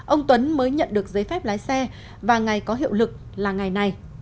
ông tuấn mới nhận được giấy phép lái xe và ngày có hiệu lực là ngày này